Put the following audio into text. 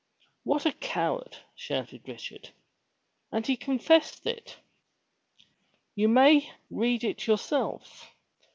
*'What a coward!" shouted Richard. ''And he confessed it?" ''You may read it yourself.